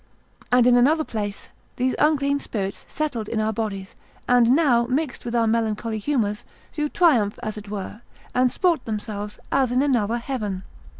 And in another place, These unclean spirits settled in our bodies, and now mixed with our melancholy humours, do triumph as it were, and sport themselves as in another heaven.